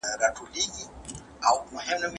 چي غل نه اوړي. مل دي واوړي.